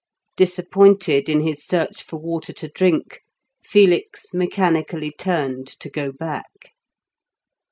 Disappointed in his search for water to drink, Felix mechanically turned to go back.